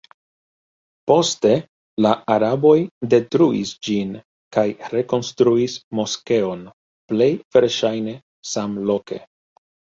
Poste la araboj detruis ĝin kaj rekonstruis moskeon plej verŝajne samloke.